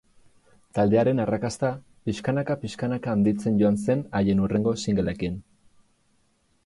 Taldearen arrakasta, pixkanaka-pixkanaka handitzen joan zen hain hurrengo singleekin.